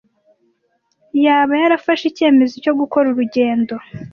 Yaba yarafashe icyemezo cyo gukora urugendo?